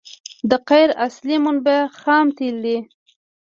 د قیر اصلي منبع خام تیل دي